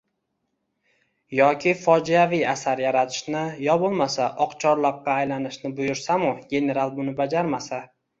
yoki fojiaviy asar yaratishni, yo bo‘lmasa, oqchorloqqa aylanishni buyursam-u, general buni bajarmasa